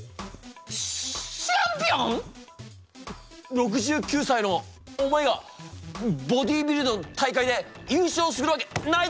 ６９歳のお前がボディービルの大会で優勝するわけないだろ！